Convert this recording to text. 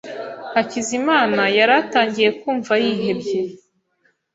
Hakizimana yari atangiye kumva yihebye.